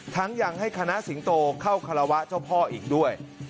ทั้งยังให้คณศิงโตเข้าขระวะเจ้าพ่ออีกด้วย